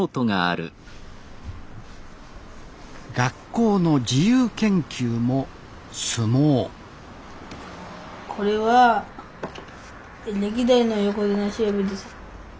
学校の自由研究も相撲これは歴代の横綱調べです。